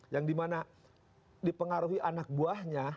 yang dimana dipengaruhi anak buahnya